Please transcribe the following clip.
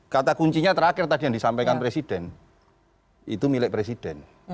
kata kuncinya terakhir tadi yang disampaikan presiden itu milik presiden